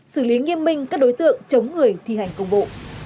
xử lý nghiêm minh các đối tượng chống người thi hành công vụ